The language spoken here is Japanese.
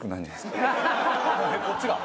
こっちが？